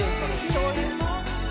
「しょうゆ。